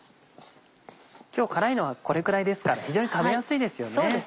今日辛いのはこれくらいですから非常に食べやすいですよね。